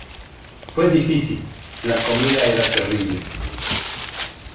Fue difícil; la comida era terrible.